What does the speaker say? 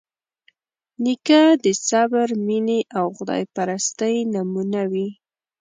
نیکه د صبر، مینې او خدایپرستۍ نمونه وي.